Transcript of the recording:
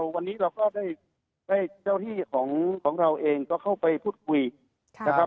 วันนี้เราก็ได้เจ้าที่ของเราเองก็เข้าไปพูดคุยนะครับ